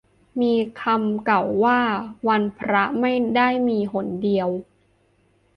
มีคำเก่าว่า วันพระไม่ได้มีหนเดียว